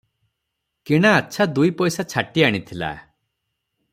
କିଣା ଆଚ୍ଛା ଦୁଇପଇସା ଛାଟି ଆଣିଥିଲା ।